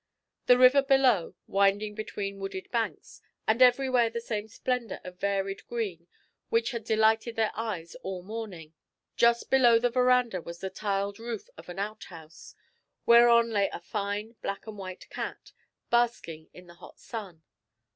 The river below, winding between wooded banks, and everywhere the same splendour of varied green which had delighted their eyes all the morning. Just below the verandah was the tiled roof of an outhouse, whereon lay a fine black and white cat, basking in the hot sun.